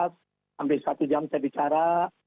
hampir satu jam saya bicara